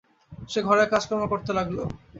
সে ঘরের কাজকর্ম করতে লাগল।